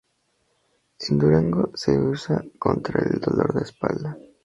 En Durango se usa contra el dolor de espalda.